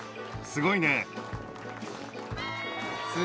すごいね。